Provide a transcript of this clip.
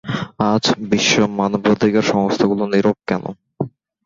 আজ বিশ্ব মানবাধিকার সংস্থাগুলো নিরব কেন?